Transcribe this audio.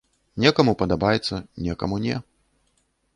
Некаму падабаецца, некаму не.